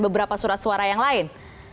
beberapa surat suara yang lain